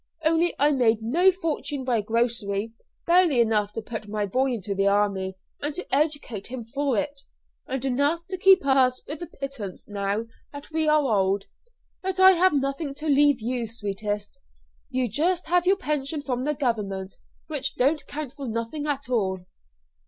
Only I made no fortune by grocery barely enough to put my boy into the army and to educate him for it, and enough to keep us with a pittance now that we are old. But I have nothing to leave you, sweetest. You just have your pension from the Government, which don't count for nothing at all."